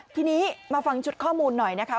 ทีนี้มาฟังชุดข้อมูลหน่อยนะคะ